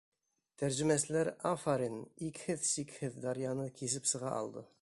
Тәржемәселәр, афарин, икһеҙ-сикһеҙ даръяны кисеп сыға алды.